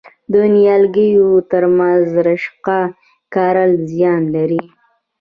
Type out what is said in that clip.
د نیالګیو ترمنځ رشقه کرل زیان لري؟